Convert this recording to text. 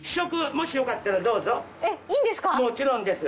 もちろんです。